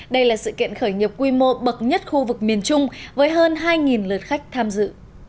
đây là sự kiện khởi nghiệp quy mô bậc nhất khu vực miền trung với hơn hai lượt khách tham dự